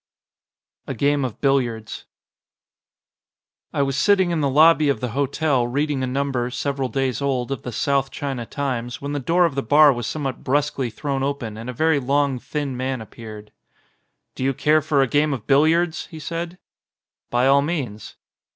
161 XL A GAME OF BILLIARDS 1WAS sitting in the lobby of the hotel, reading a number, several days old, of the South China Times, when the door of the bar was somewhat brusquely thrown open and a very long, thin man appeared. "Do you care for a game of billiards ?" he said. "By all means."